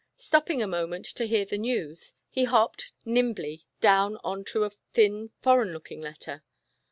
Stopping a moment to hear the news, he hopped nimbly down on to a thin foreign looking letter.